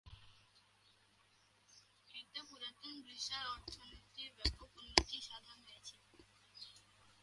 এতে পুরাতন গ্রিসের অর্থনীতির ব্যাপক উন্নতি সাধন হয়েছিল।